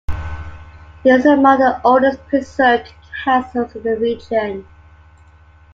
It is among the oldest preserved castles in the region.